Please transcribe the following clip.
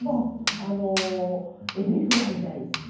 あのえびフライ大好き。